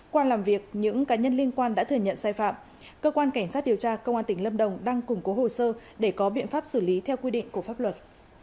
qua làm việc những cá nhân liên quan đã thừa nhận sai phạm cơ quan cảnh sát điều tra công an tỉnh lâm đồng đang củng cố hồ sơ để có biện pháp xử lý theo quy định của pháp luật